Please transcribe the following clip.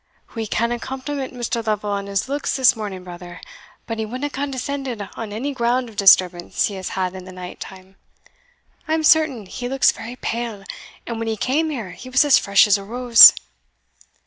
"We canna compliment Mr. Lovel on his looks this morning, brother but he winna condescend on any ground of disturbance he has had in the night time. I am certain he looks very pale, and when he came here he was as fresh as a rose."